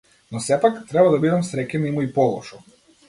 Но сепак, треба да бидам среќен, има и полошо.